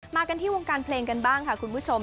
กันที่วงการเพลงกันบ้างค่ะคุณผู้ชม